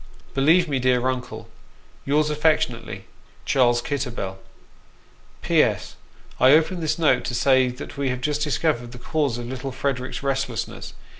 " Believe me, dear Uncle, " Yours affectionately, " CHARLES KITTEBBELL. " P.S. I open this note to say that we have just discovered the cause of little Frederick's restlessness.